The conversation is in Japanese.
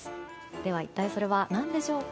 では一体それは何でしょうか。